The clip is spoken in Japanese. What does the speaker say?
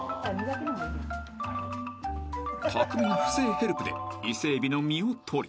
［巧みな不正ヘルプで伊勢海老の身を取り］